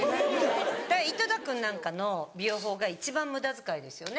だから井戸田君なんかの美容法が一番無駄遣いですよね。